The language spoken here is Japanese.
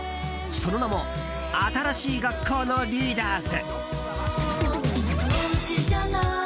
その名も新しい学校のリーダーズ。